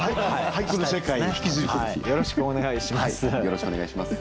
よろしくお願いします。